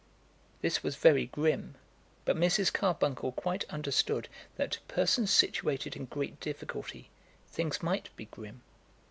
This was very grim, but Mrs. Carbuncle quite understood that to persons situated in great difficulty things might be grim.